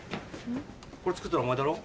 これ作ったのお前だろ？